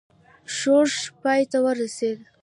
ښورښ پای ته ورسېدی.